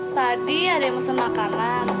tadi ada yang mesen makanan